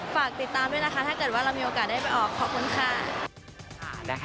ฝากติดตามด้วยนะคะถ้าเกิดว่าเรามีโอกาสได้ไปออกขอบคุณค่ะ